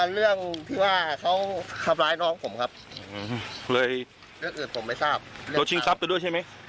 เรื่องอื่นผมไม่ทราบเพราะชิงทรัพย์ตัวด้วยใช่ไหม